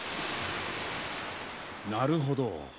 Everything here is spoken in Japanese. なるほど。